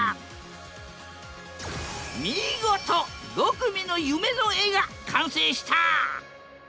見事５組の夢の絵が完成した！